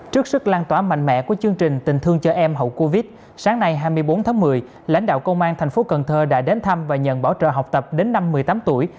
trước sức lan tỏa mạnh mẽ của chương trình tình thương cho em hậu covid sáng nay hai mươi bốn tháng một mươi lãnh đạo công an thành phố cần thơ đã đến thăm và nhận bảo trợ học tập đến năm một mươi tám tuổi